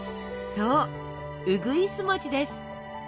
そううぐいす餅です。